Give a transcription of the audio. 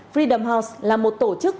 freedom house là một tổ chức của việt nam